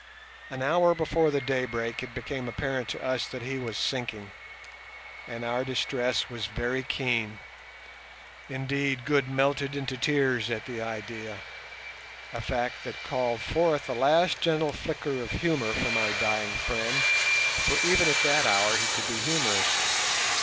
An hour before the daybreak it became apparent to us that he was sinking, and our distress was very keen. Indeed, Good melted into tears at the idea—a fact that called forth a last gentle flicker of humour from our dying friend, for even at that hour he could be humorous.